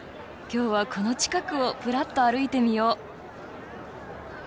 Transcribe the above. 今日はこの近くをぷらっと歩いてみよう。